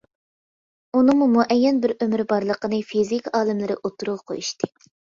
ئۇنىڭمۇ مۇئەييەن بىر ئۆمرى بارلىقىنى فىزىكا ئالىملىرى ئوتتۇرىغا قويۇشتى.